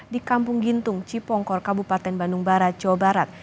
di kampung gintung cipongkor kabupaten bandung barat jawa barat